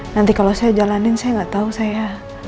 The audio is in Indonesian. nanti kalau saya jalanin saya gak tau saya